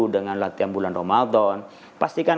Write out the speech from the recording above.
dengan latihan bulan ramadan pastikan